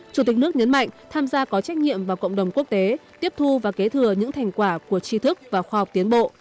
chủ tịch nước nhấn mạnh tham gia có trách nhiệm vào cộng đồng quốc tế tiếp thu và kế thừa những thành quả của tri thức và khoa học tiến bộ